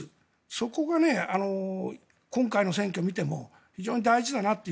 そこが今回の選挙を見ても非常に大事だなと。